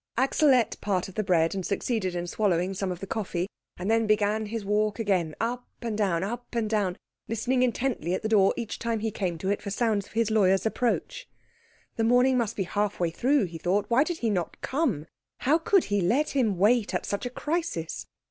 Axel ate part of the bread, and succeeded in swallowing some of the coffee, and then began his walk again, up and down, up and down, listening intently at the door each time he came to it for sounds of his lawyer's approach. The morning must be halfway through, he thought; why did he not come? How could he let him wait at such a crisis?